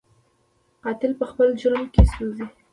قاتل په خپل جرم کې سوځي